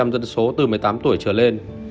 tám mươi bốn ba dân số từ một mươi tám tuổi trở lên